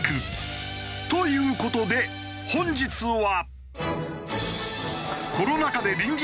という事で本日は。